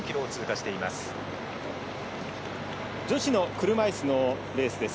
女子の車いすのレースです。